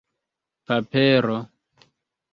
papero